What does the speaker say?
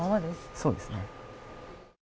そうですね。